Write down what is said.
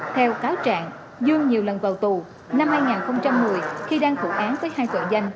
theo cáo trạng dương nhiều lần vào tù năm hai nghìn một mươi khi đang phụ án với hai tội danh